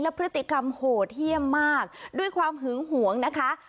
พฤติกรรมโหดเยี่ยมมากด้วยความหึงหวงนะคะ